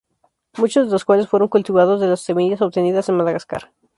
Muchos de las cuales fueron cultivados de las semillas obtenidas en Madagascar.